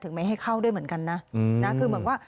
ไม่ให้เข้าด้วยเหมือนกันนะคือเหมือนว่า